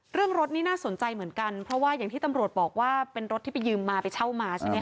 รถนี่น่าสนใจเหมือนกันเพราะว่าอย่างที่ตำรวจบอกว่าเป็นรถที่ไปยืมมาไปเช่ามาใช่ไหมค